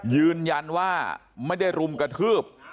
ยืนยันว่าไม่ได้รุมกระทืบ